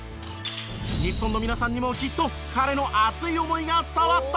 日本の皆さんにもきっと彼の熱い思いが伝わったはず。